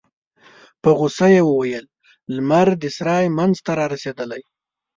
په غوسه يې وویل: لمر د سرای مينځ ته رارسيدلی.